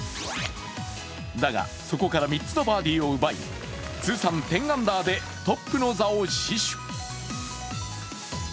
だが、そこから３つのバーディーを奪い、通算１０アンダーでトップの座を死守。